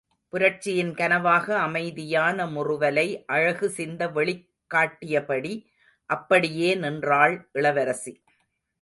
புரட்சியின் கனவாக அமைதியான முறுவலை அழகு சிந்த வெளிக் காட்டியபடி அப்படியே நின்றாள் இளவரசி.